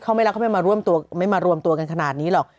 เขาไม่รักเขาไม่มารวมตัวกันขนาดนี้หรอก